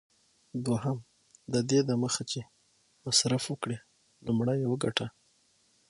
دوهم: ددې دمخه چي مصرف وکړې، لومړی یې وګټه.